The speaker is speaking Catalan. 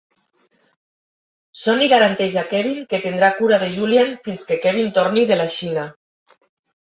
Sonny garanteix a Kevin que tindrà cura de Julian fins que Kevin torni de la Xina.